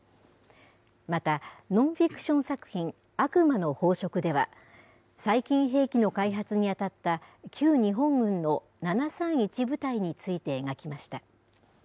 また、ノンフィクション作品、悪魔の飽食では、細菌兵器の開発に当たった旧日本軍の７３１部隊について描きました。